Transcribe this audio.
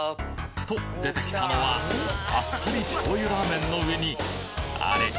と出てきたのはあっさり醤油ラーメンの上にあれ？